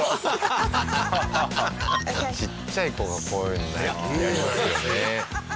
ちっちゃい子がこういうのやりますよね。